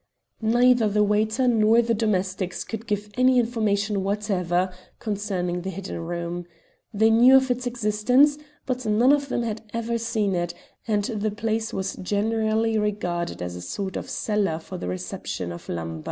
Neither the waiter nor the domestics could give any information whatever concerning the hidden room. They knew of its existence, but none of them had ever seen it, and the place was generally regarded as a sort of cellar for the reception of lumber.